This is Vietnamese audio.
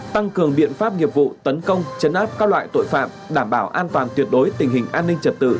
tăng cường biện pháp nghiệp vụ tấn công chấn áp các loại tội phạm đảm bảo an toàn tuyệt đối tình hình an ninh trật tự